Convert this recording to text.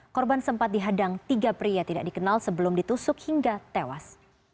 korban sempat dihadang tiga pria tidak dikenal sebelum ditusuk hingga tewas